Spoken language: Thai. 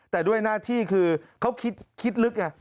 แต่ด้วยหน้าที่คือเขาคิดลึกไง